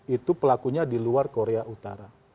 itu pelakunya di luar korea utara